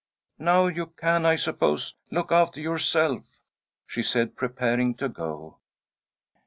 " Now you can, I suppose, look after yourself," she said, preparing to go.